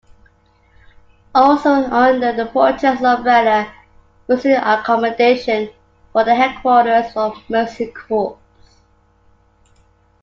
Also under the project's umbrella was an accommodation for the headquarters of Mercy Corps.